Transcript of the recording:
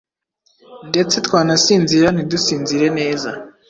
ndetse twanasinzira ntidusinzire neza.